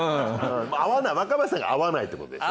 合わない若林さんが合わないってことでしょ。